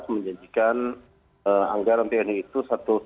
menyajikan anggaran tni itu